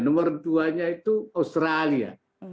nomor duanya itu australia